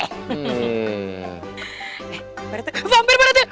eh pak rt vampir pak rt vampir